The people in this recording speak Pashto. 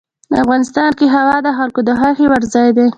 افغانستان کې هوا د خلکو د خوښې وړ ځای دی.